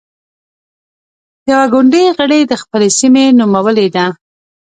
يوه ګوندي غړې د خپلې سيمې نومولې ده.